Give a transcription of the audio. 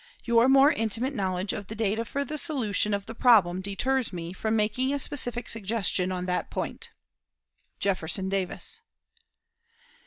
Your more intimate knowledge of the data for the solution of the problem deters me from making a specific suggestion on that point. "JEFFERSON DAVIS."